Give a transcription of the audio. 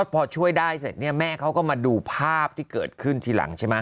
พอช่วยได้เสร็จเนี่ยแม่เขาก็มาดูภาพที่เกิดขึ้นทีหลังใช่ไหม